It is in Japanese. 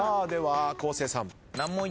では昴生さん。